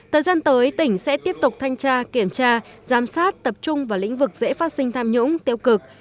thời gian tới tỉnh sẽ tiếp tục thanh tra kiểm tra giám sát tập trung vào lĩnh vực dễ phát sinh tham nhũng tiêu cực